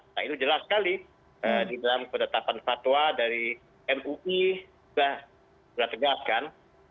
nah itu jelas sekali di dalam kedatapan fatwa dari mui sudah ditegaskan